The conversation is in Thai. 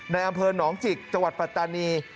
ในอำเภอหนองจิกจังหวัดปัตตานี